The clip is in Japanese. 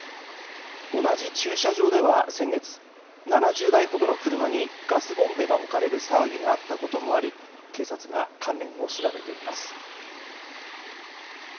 同じ駐車場では先月７０台ほどの車にガスボンベが置かれる騒ぎがあったこともあり警察が関連を調べています。